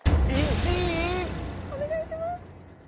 お願いします！